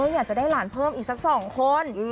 อยากจะได้หลานเพิ่มอีกสัก๒คน